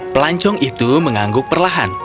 pelancong itu mengangguk perlahan